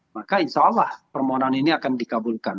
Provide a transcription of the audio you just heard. maka insya allah permohonan ini akan dikabulkan